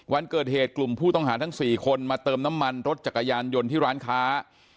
วันเกิดเหตุกลุ่มผู้ต้องหาทั้ง๔คนมาเติมน้ำมันรถจักรยานยนต์ที่ร้านค้า